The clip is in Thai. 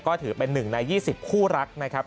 ก็ถือเป็น๑ใน๒๐คู่รักนะครับ